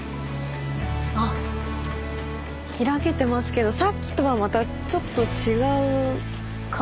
あ開けてますけどさっきとはまたちょっと違う感じですね。